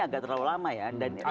agak terlalu lama ya